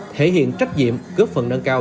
thể hiện trách nhiệm cướp phần nâng cao